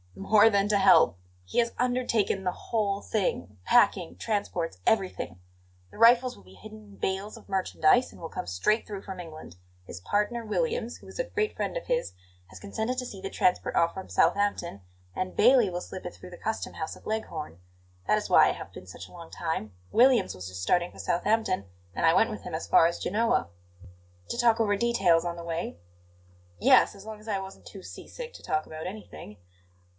"More than to help; he has undertaken the whole thing, packing, transports, everything. The rifles will be hidden in bales of merchandise and will come straight through from England. His partner, Williams, who is a great friend of his, has consented to see the transport off from Southampton, and Bailey will slip it through the custom house at Leghorn. That is why I have been such a long time; Williams was just starting for Southampton, and I went with him as far as Genoa." "To talk over details on the way?" "Yes, as long as I wasn't too sea sick to talk about anything."